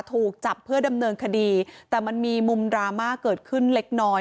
ถูกจับเพื่อดำเนินคดีแต่มันมีมุมดราม่าเกิดขึ้นเล็กน้อย